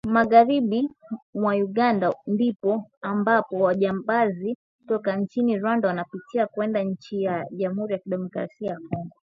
Magharibi mwa Uganda ndipo ambapo wajambazi toka inchini Rwanda wanapitia kuenda inchi ya Jamuri ya kidemokrasia ya Kongo